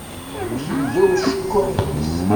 Amek iga ucekkuḥ-is?